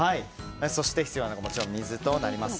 そして必要なのが水となります。